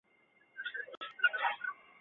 改进的耒有两个尖头或有省力曲柄。